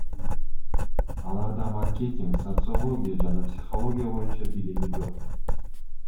Аларда маркетинг, социология жана психология боюнча билими жок.